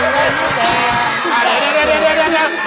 อาบน้ำรากให้อาจน้ำฝบ